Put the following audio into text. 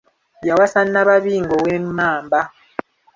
Yawasa Nnababinge ow'Emmamba.